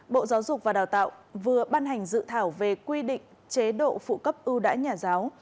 bộ giáo dục và đào tạo vừa ban hành dự thảo về quy định chế độ phụ cấp ưu đãi nhà giáo